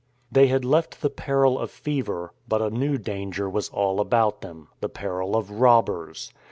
They had left the peril of fever — but a new danger was all about them — the peril of robbers.